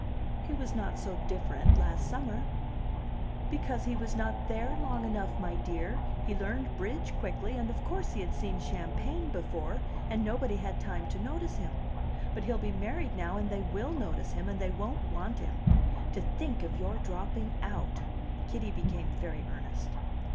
"He was not so different last summer." "Because he was not there long enough, my dear. He learned bridge quickly, and of course he had seen champagne before, and nobody had time to notice him. But he'll be married now and they will notice him, and they won't want him. To think of your dropping out!" Kitty became very earnest.